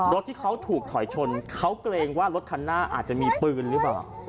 รถที่เขาถูกถอยชนเขาเกรงว่ารถคันหน้าอาจจะมีปืนหรือเปล่า